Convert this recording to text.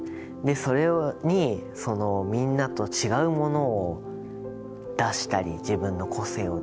それにみんなと違うものを出したり自分の個性を出したり。